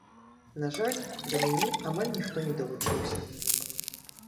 На жаль, да мяне амаль ніхто не далучыўся.